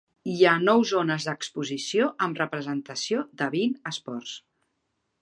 Hi ha nou zones d'exposició amb representació de vint esports.